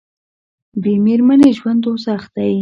بې میرمنې ژوند دوزخ دی